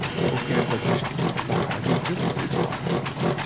Hoe kin it dat just dy twa it noch hieltyd úthâlde?